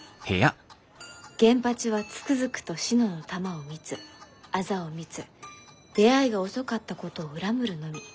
「現八はつくづくと信乃の玉を見つ痣を見つ出会いが遅かったことを恨むるのみ。